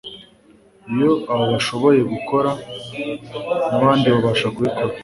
ibyo abo bashoboye gukora, n'abandi babasha kubikora